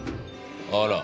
あら。